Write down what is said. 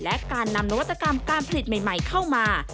และการนำนวัตกรรมการผลิตใหม่เข้ามา